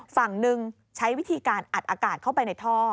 ฝั่งหนึ่งใช้วิธีการอัดอากาศเข้าไปในท่อ